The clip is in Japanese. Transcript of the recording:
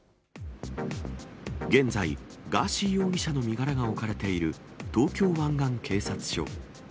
現在、ガーシー容疑者の身柄が置かれている東京湾岸警察署。